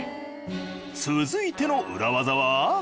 続いての裏ワザは。